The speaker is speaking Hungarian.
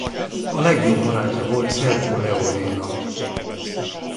A legjobb barátja volt Sergio Leonénak.